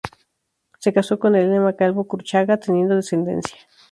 Se casó con Elena Calvo Cruchaga, teniendo descendencia.